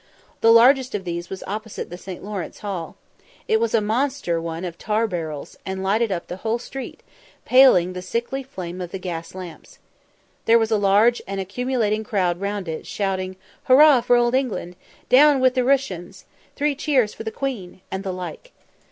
The largest of these was opposite the St. Lawrence Hall. It was a monster one of tar barrels, and lighted up the whole street, paling the sickly flame of the gas lamps. There was a large and accumulating crowd round it, shouting, "Hurrah for Old England! Down with the Rooshians! Three cheers for the Queen!" and the like.